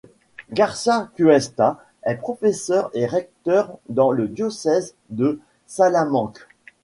García Cuesta est professeur et recteur dans le diocèse de Salamanque.